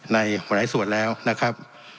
ในหลายส่วนแล้วนะครับ